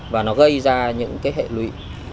và nó gây ra những hệ lụy